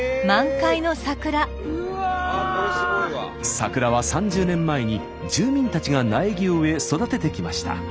桜は３０年前に住民たちが苗木を植え育ててきました。